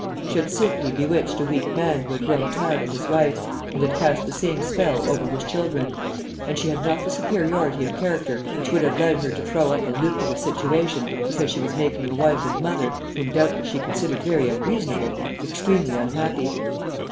She had simply bewitched a weak man who had grown tired of his wife, and had cast the same spell over his children; and she had not the superiority of character which would have led her to throw up a lucrative situation because she was making a wife and mother (whom doubtless she considered very unreasonable) extremely unhappy.